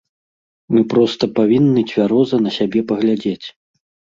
Мы проста павінны цвяроза на сябе паглядзець.